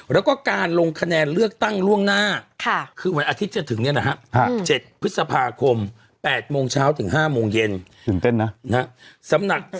แล้วก็การลงคะแนนเลือกตั้งล่วงหน้าคือวันอาทิตย์จะถึงนี้นะฮะ๗พฤษภาคม๘โมงเช้าถึง๕โมงเย็น